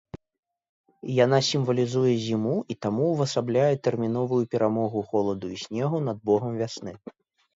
Яна сімвалізуе зіму і таму увасабляе тэрміновую перамогу холаду і снегу над богам вясны.